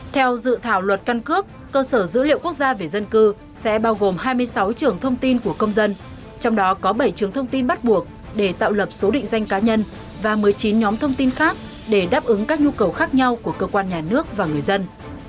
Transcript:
theo dự thảo luật căn cước cơ sở dữ liệu quốc gia về dân cư sẽ bao gồm hai mươi sáu trường thông tin của công dân trong đó có bảy trường thông tin bắt buộc để tạo lập số định danh cá nhân và một mươi chín nhóm thông tin khác để đáp ứng các nhu cầu khác nhau của cơ quan nhà nước và người dân